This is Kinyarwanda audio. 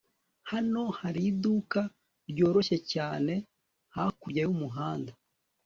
hano hari iduka ryoroshye cyane hakurya y'umuhanda